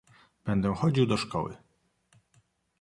"Będę chodził do szkoły."